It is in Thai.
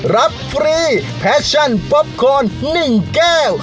รับฟรีแฟชั่นป๊อปโคน๑แก้ว